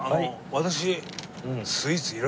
私。